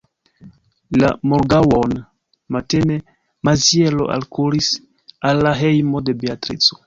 La morgaŭon matene Maziero alkuris al la hejmo de Beatrico.